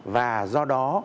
và do đó